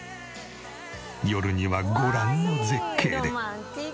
夜にはご覧の絶景で。